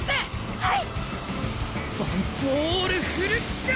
はい。